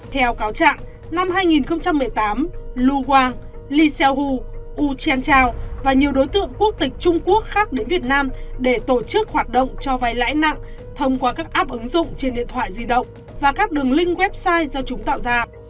theo cáo trạng năm hai nghìn một mươi tám lu wang lee seou uchan chao và nhiều đối tượng quốc tịch trung quốc khác đến việt nam để tổ chức hoạt động cho vay lãi nặng thông qua các app ứng dụng trên điện thoại di động và các đường link website do chúng tạo ra